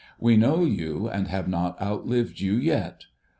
We know you, and have not outlived you yet.